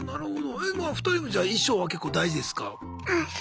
え２人もじゃあ衣装は結構大事ですか？